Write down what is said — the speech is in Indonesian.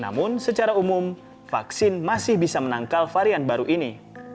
namun secara umum vaksin masih bisa menangkal varian baru ini